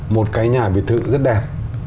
một cái nhà biệt thự rất đẹp